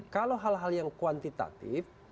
kalau hal hal yang kuantitatif